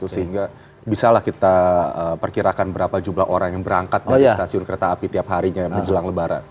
sehingga bisalah kita perkirakan berapa jumlah orang yang berangkat dari stasiun kereta api tiap harinya menjelang lebaran